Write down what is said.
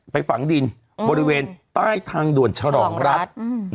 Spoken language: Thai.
ฝังดินบริเวณใต้ทางด่วนฉลองรัฐ